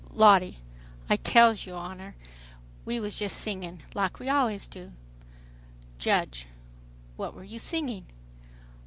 LOTTIE: "I tells yo' honor' we wuz jes singin' lak we allays do." JUDGE : "What were you singing?"